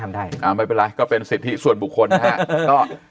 ไม่เป็นไรก็เป็นสิทธิส่วนบุคคลนะครับ